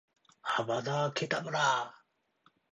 アバダ・ケタブラぁ！！！